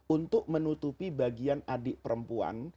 untuk menutupi bagian adik perempuan